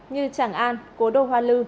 như tràng an cố đô hoa lư